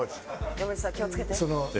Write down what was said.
山内さん気を付けて。